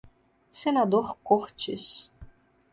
Senador Cortes